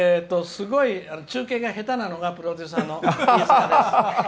すごい中継が下手なのがプロデューサーの飯塚です。